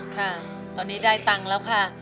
ค่ะตอนนี้ได้ตังค์แล้วค่ะ